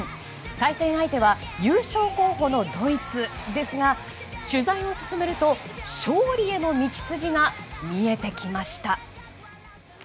対戦相手は優勝候補のドイツですが取材を進めると、勝利への道筋が見えてきました。